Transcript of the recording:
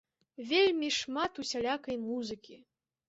Вельмі шмат усялякай музыкі.